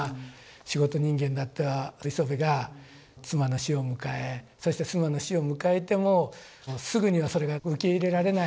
仕事人間だった磯辺が妻の死を迎えそして妻の死を迎えてもすぐにはそれが受け入れられない。